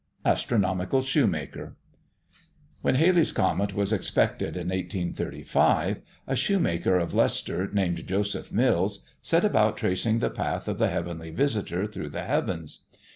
ASTRONOMICAL SHOEMAKER. When Halley's comet was expected in 1835, a shoemaker of Leicester, named Joseph Mills, set about tracing the path of the heavenly visitor through the heavens.